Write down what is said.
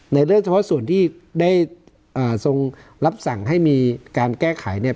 ในเรื่องเฉพาะส่วนที่ได้ทรงรับสั่งให้มีการแก้ไขเนี่ย